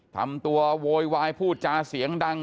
ทำตัวโวยวายพูดจาเสียงดัง